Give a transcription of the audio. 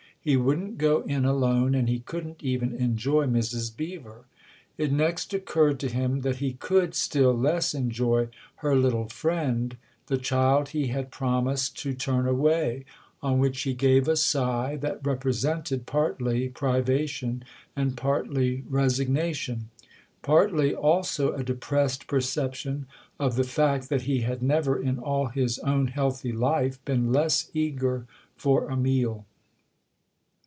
He wouldn't go in alone, and he couldn't even enjoy Mrs. Beever. It next occurred to him that he could still less enjoy her little friend, the child he had promised to turn away ; on which he gave a sigh that represented partly privation and partly resig nation partly also a depressed perception of the fact that he had never in all his own healthy life been less eager for a meal.